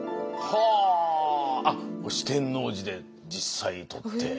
これ四天王寺で実際撮って。